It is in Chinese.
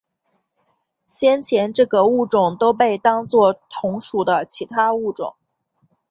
先前这个物种都被当作同属的其他物种。